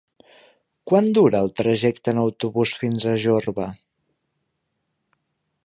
Quant dura el trajecte en autobús fins a Jorba?